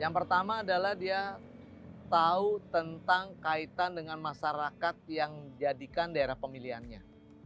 yang pertama adalah dia tahu tentang kaitan dengan masyarakat yang jadikan daerah pemilihannya